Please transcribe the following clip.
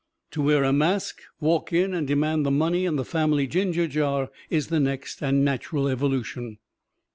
To wear a mask, walk in and demand the money in the family ginger jar is the next and natural evolution.